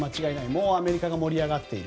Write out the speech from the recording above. もうアメリカが盛り上がっている。